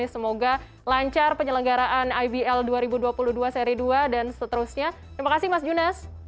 semoga lancar penyelenggaraan ibl dua ribu dua puluh dua seri dua dan seterusnya terima kasih mas junas